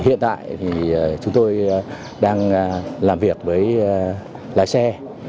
hiện tại thì chúng tôi đang làm việc với lái xe